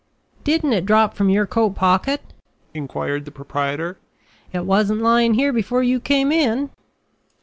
"Didn't it drop from your coat pocket?" inquired the proprietor. "It wasn't lying here before you came in."